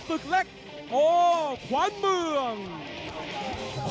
เด็กนี่ออกกันขาสันเหมือนกันครับ